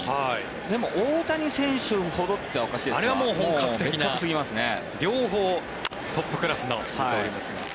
でも、大谷選手ほどっていうのはおかしいですけど。あれは本格的な両方トップクラスの二刀流ですが。